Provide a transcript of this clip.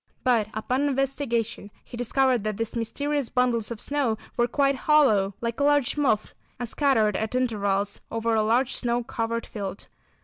But upon investigation he discovered that these mysterious bundles of snow were quite hollow, like a large muff, and scattered at intervals over a large snow covered field.